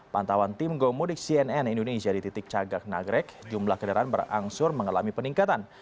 pantauan tim gomudik cnn indonesia di titik cagak nagrek jumlah kendaraan berangsur mengalami peningkatan